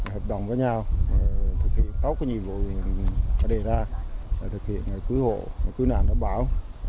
hợp đồng với nhau thực hiện tốt nhiệm vụ đã đề ra thực hiện cứu hộ cứu nạn đảm bảo